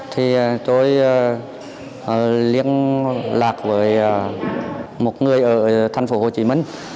thì tôi liên lạc với một người ở thành phố hồ chí minh